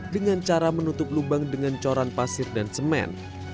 dengan cara menutup lubang dengan coran pasir dan semen